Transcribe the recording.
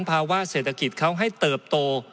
ภาวะเศรษฐกิจเขาให้เติบโต